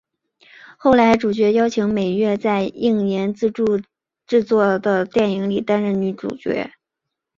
后来主角邀请美月在映研自主制作电影里担任女主角。